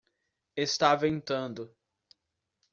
Está ventando.